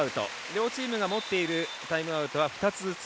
両チームが持っているタイムアウトは２つずつ。